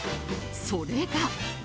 それが。